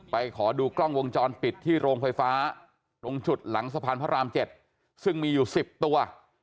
ขอดูกล้องวงจรปิดที่โรงไฟฟ้าตรงจุดหลังสะพานพระราม๗ซึ่งมีอยู่๑๐ตัว